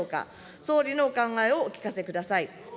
総理のお考えをお聞かせください。